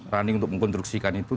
running untuk mengkonstruksikan itu